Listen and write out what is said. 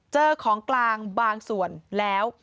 เจอของกลางบางส่วนแล้ว